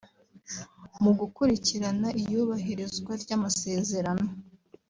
Mu gukurikirana iyubahirizwa ry’amasezerano